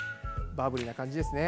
バブリーな感じですね。